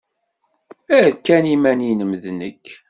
Err kan iman-nnem d nekk.